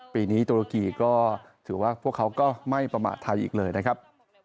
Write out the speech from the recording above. ปีนี้ตุรกีก็ถือว่าพวกเขาก็ไม่ประมาทไทยอีกเลยนะครับ